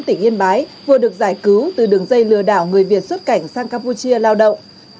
tỉnh yên bái vừa được giải cứu từ đường dây lừa đảo người việt xuất cảnh sang campuchia lao động